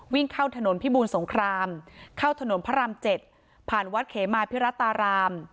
วิ่งเข้าถนนพิบูรสงครามเข้าถนนพระราม๗ผ่านวัดเขมาพิรัตราราม